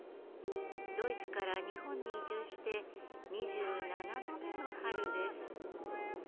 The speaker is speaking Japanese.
ドイツから日本に移住して２７度目の春です。